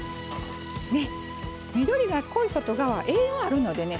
緑が濃い外側栄養あるのでね